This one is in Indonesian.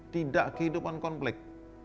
tidak kehidupan konflik